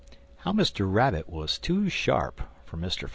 HOW MR. RABBIT WAS TOO SHARP FOR MR.